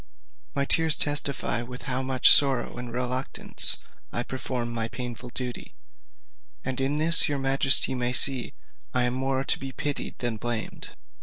My tears testify with how much sorrow and reluctance I perform this painful duty; and in this your majesty may see I am more to be pitied than blamed.